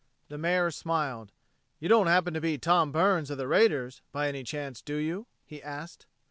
The Mayor smiled. "You don't happen to be Tom Burns of the raiders, by any chance, do you?" he asked.